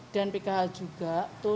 dan pkh juga